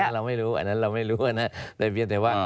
อันนั้นเราไม่รู้อันนั้นเราไม่รู้อ่ะนะแต่ว่า